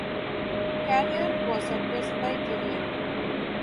Carrier was a Presbyterian.